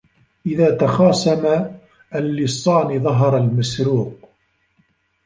إذا تخاصم اللصان ظهر المسروق